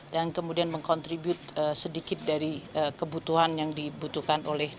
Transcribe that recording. dan kemudian mengkontribusi sedikit dari kebutuhan yang dibutuhkan oleh negara